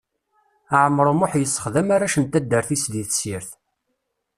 Ɛmer Umuḥ yessexdam arrac n taddart-is di tessirt.